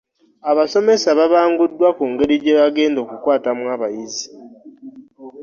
Abasomesa babanguddwa ku ngeri gyebagenda okukwatamu abayizi.